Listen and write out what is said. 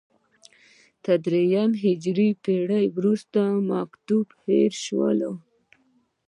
تر درېیمې هجري پېړۍ وروسته مکتبونه هېر شول